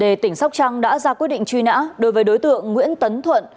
huyện trần đề tỉnh sóc trăng đã ra quyết định truy nã đối với đối tượng nguyễn tấn thuận